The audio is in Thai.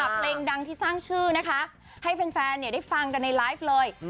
เพลงดังที่สร้างชื่อนะคะให้แฟนได้ฟังกันในไลฟ์เลย